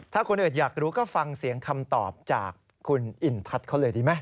ถ้าคนอื่นอยากรู้ก็ฟังเสียงคำตอบจากคุณอินทัศน์เขาเลยดีไหม